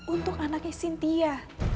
untuk anaknya sintia